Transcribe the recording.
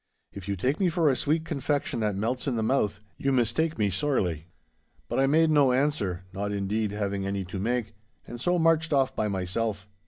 If you take me for a sweet confection that melts in the mouth, you mistake me sorely!' But I made no answer, not indeed having any to make, and so marched off by myself.